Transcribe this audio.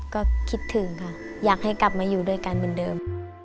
ก็คิดถึงค่ะอยากให้กลับมาอยู่ด้วยกันเหมือนเดิม